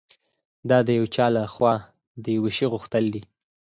دا د یو چا لهخوا د یوه شي غوښتل دي